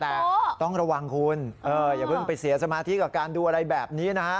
แต่ต้องระวังคุณอย่าเพิ่งไปเสียสมาธิกับการดูอะไรแบบนี้นะฮะ